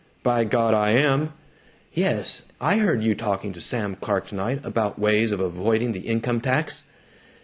"By God, I am!" "Yes, I heard you talking to Sam Clark tonight about ways of avoiding the income tax!"